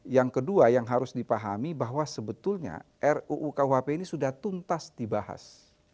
yang kedua yang harus dipahami bahwa sebetulnya ruu kuhp ini sudah tuntas dibahas